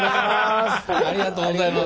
ありがとうございます。